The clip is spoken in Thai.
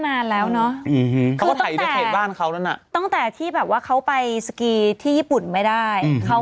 นานแล้วเนาะข้อดีอันเขาไม่นะต้องแต่ที่แบบว่าเขาไปสกีที่ญี่ปุ่นไม่ได้เขา